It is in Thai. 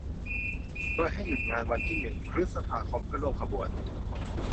โดยให้หยุดงานวันที่หนึ่ง พฤษภาคม เพื่อร่วมขบวน